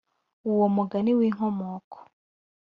uwo mugani w inkomoko